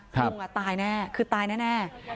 ลุงตายแน่คือตายแน่